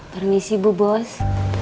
permisi bu bos